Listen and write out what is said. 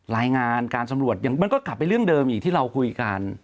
รายงานการสำรวจมันก็กลับไปเรื่องเดิมอีกที่เราคุยกัน